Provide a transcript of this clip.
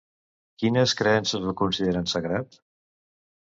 Quines creences el consideren sagrat?